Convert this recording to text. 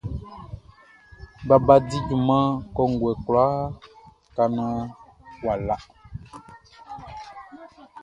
Baba di junman kɔnguɛ kwlaa ka naan wʼa la.